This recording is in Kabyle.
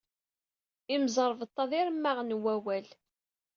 Imẓerbeḍḍa d iremmaɣen n wawal.